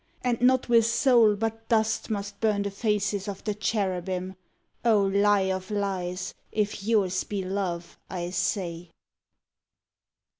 and not with soul but dust Must burn the faces of the Cherubim, O lie of lies, if yours be love, I say!